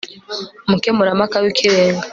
Umukemurampaka wikirenga